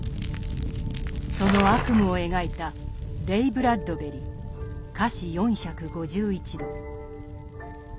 その悪夢を描いたレイ・ブラッドベリ「華氏４５１度」。